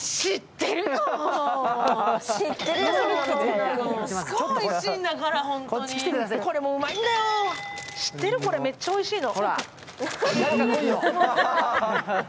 知ってるこれ、めっちゃおいしいの。